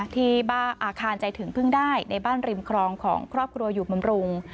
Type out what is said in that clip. ที่บ้านอาคารใจถึงพึ่งได้ในบ้านริมครองของครอบครัวอยู่บำรุง